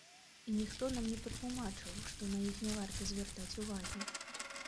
І ніхто нам не патлумачыў, што на іх не варта звяртаць увагі.